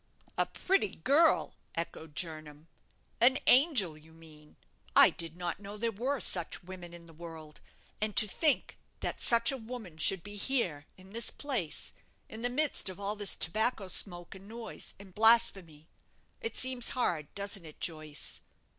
"A pretty girl!" echoed Jernam; "an angel, you mean! I did not know there were such women in the world; and to think that such a woman should be here, in this place, in the midst of all this tobacco smoke, and noise, and blasphemy! It seems hard, doesn't it, Joyce?"